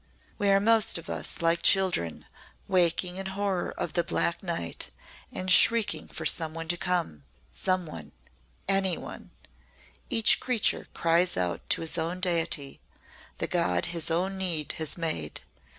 We are most of us like children waking in horror of the black night and shrieking for some one to come some one any one! Each creature cries out to his own Deity the God his own need has made.